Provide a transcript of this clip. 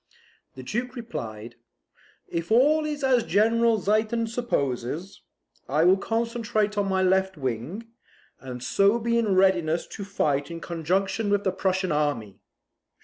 The Duke replied "If all is as General Ziethen supposes, I will concentrate on my left wing, and so be in readiness to fight in conjunction with the Prussian army.